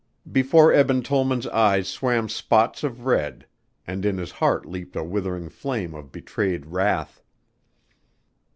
Before Eben Tollman's eyes swam spots of red and in his heart leaped a withering flame of betrayed wrath.